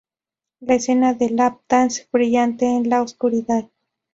La escena de lap-dance brillante en la oscuridad".